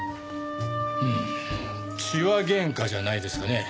うーん痴話喧嘩じゃないですかね？